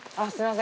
すいません